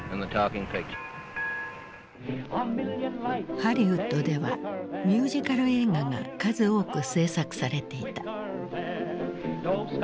ハリウッドではミュージカル映画が数多く製作されていた。